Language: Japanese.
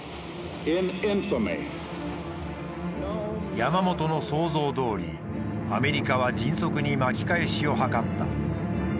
山本の想像どおりアメリカは迅速に巻き返しを図った。